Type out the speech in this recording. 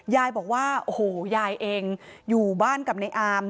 ยายบอกยายเองอยู่บ้านกับในอาม